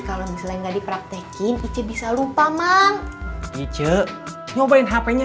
kalau misalnya nggak dipraktekin itu bisa lupa man itu nyobain hpnya